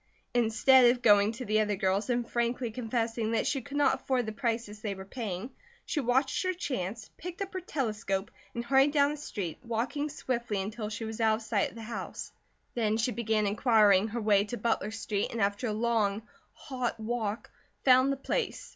Instead of going to the other girls and frankly confessing that she could not afford the prices they were paying, she watched her chance, picked up her telescope and hurried down the street, walking swiftly until she was out of sight of the house. Then she began inquiring her way to Butler Street and after a long, hot walk, found the place.